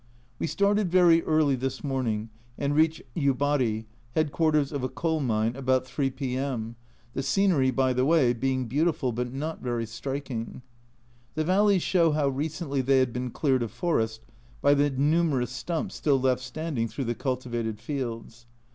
We started very early this morning and reached Yubari (headquarters of a coal mine) about 3 P.M., the scenery by the way being beautiful but not very striking. The valleys show how recently they had been cleared of forest, by the numerous stumps still left standing through the cultivated fields.